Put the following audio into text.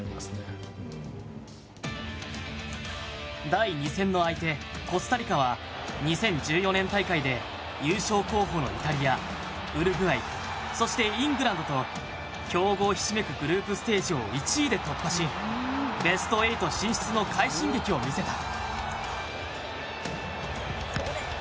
第２戦の相手、コスタリカは２０１４年大会で優勝候補のイタリア、ウルグアイそしてイングランドと強豪ひしめくグループステージを１位で突破しベスト８進出の快進撃を見せた。